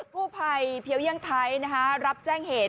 กู้ภัยเพียวเยี่ยงไทยรับแจ้งเหตุ